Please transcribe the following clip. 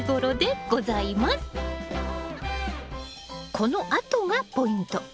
このあとがポイント。